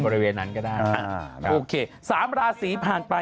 พรุ่งนี้